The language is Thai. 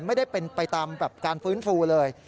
ไม่ได้ไปตามการฟื้นฟูเลย